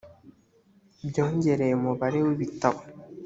byongereye umubare w ibitabo